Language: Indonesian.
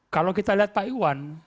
kalau kita lihat pak iwan